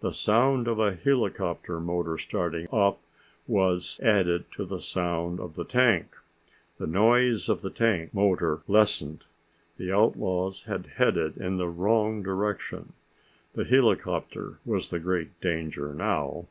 The sound of a helicopter motor starting up was added to the sound of the tank. The noise of the tank motor lessened. The outlaws had headed in the wrong direction. The helicopter was the great danger now.